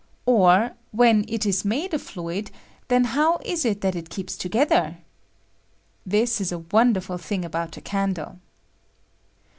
or, when it is made a fluid, then how is it that THE CDP. 19 it keeps together? Tliis is a wonderful thing about a caudle.